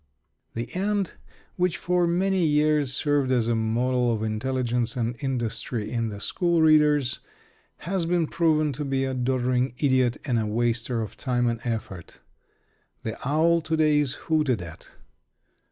The ant, which for many years served as a model of intelligence and industry in the school readers, has been proven to be a doddering idiot and a waster of time and effort. The owl to day is hooted at.